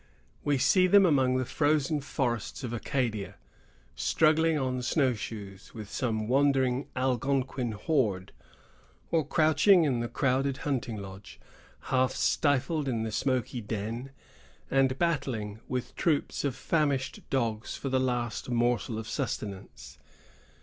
We see them among the frozen forests of Acadia, struggling on snowshoes, with some wandering Algonquin horde, or crouching in the crowded hunting lodge, half stifled in the smoky den, and battling with troops of famished dogs for the last morsel of sustenance.